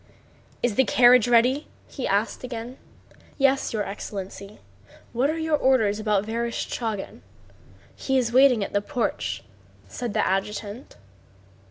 "Is the carriage ready?" he asked again. "Yes, your excellency. What are your orders about Vereshchágin? He is waiting at the porch," said the adjutant.